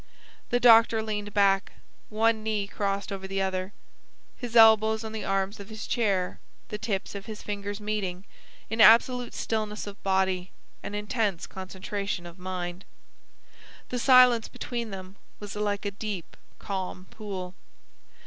The doctor leaned back, one knee crossed over the other, his elbows on the arms of his chair, the tips of his fingers meeting, in absolute stillness of body and intense concentration of mind. The silence between them was like a deep, calm pool.